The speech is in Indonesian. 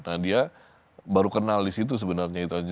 nah dia baru kenal di situ sebenarnya itu aja